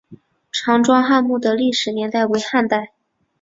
常庄汉墓的历史年代为汉代。